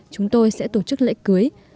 chúng tôi sẽ tổ chức lễ cưới